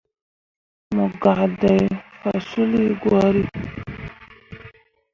Mo gah ɗai faswulli gwari.